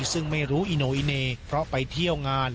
ซึ่งไม่รู้อีโนอิเนเพราะไปเที่ยวงาน